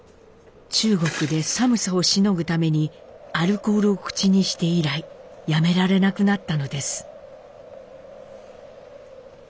中国で寒さをしのぐためにアルコールを口にして以来やめられなくなったのです。